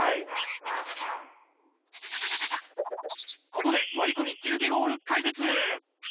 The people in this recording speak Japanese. ここで割り込みキルケゴール解説！